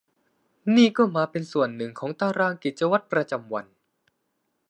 นี่ก็มาเป็นส่วนหนึ่งของตารางกิจวัตรประจำวัน